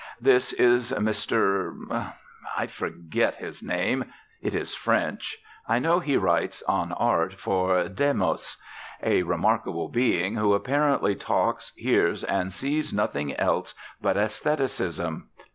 This is Mr. I forget his name it is French; I know he writes on Art for Demos; a remarkable being who apparently talks, hears, and sees nothing else but aestheticism.